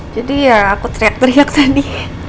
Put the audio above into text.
jadi ya aku teriak teriak tadi